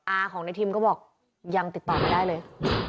อาของในทิมก็บอกยังติดต่อไม่ได้เลย